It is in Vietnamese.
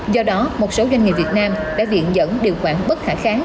do đó một số doanh nghiệp việt nam đã viện dẫn điều khoản bất khả kháng